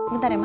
bentar ya ma